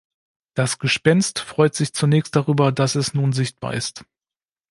Das Gespenst freut sich zunächst darüber, dass es nun sichtbar ist.